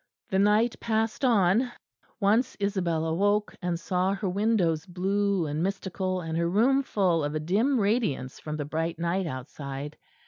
The night passed on. Once Isabel awoke, and saw her windows blue and mystical and her room full of a dim radiance from the bright night outside.